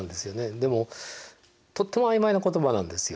でもとっても曖昧な言葉なんですよ。